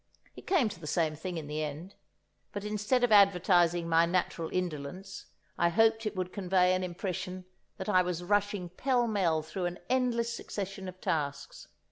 (It came to the same thing in the end; but instead of advertising my natural indolence, I hoped it would convey an impression that I was rushing pell mell through an endless succession of tasks.)